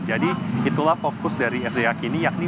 jadi itulah fokus dari sda kini